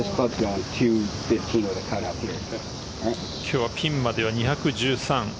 今日はピンまでは２１３。